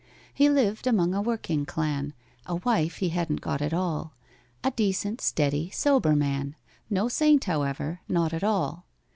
He lived among a working clan (A wife he hadn't got at all), A decent, steady, sober man— No saint, however—not at all.